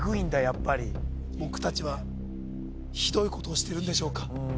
やっぱり僕達はひどいことをしてるんでしょうか